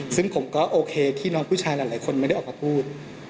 ซึ่งผมก็โอเคที่น้องผู้ชายหลายคนไม่ได้ออกมาพูด